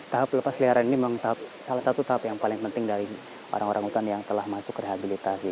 tahap lepas liaran ini memang salah satu tahap yang paling penting dari orang orang hutan yang telah masuk ke rehabilitasi